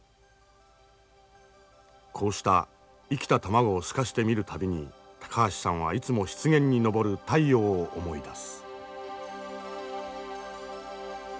こうした生きた卵を透かして見る度に高橋さんはいつも湿原に昇る太陽を思い出す。